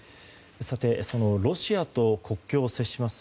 そのロシアと国境を接します